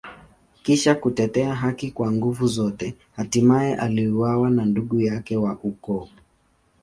Kisha kutetea haki kwa nguvu zote, hatimaye aliuawa na ndugu yake wa ukoo.